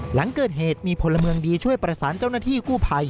หลังเกิดเหตุมีพลเมืองดีช่วยประสานเจ้าหน้าที่กู้ภัย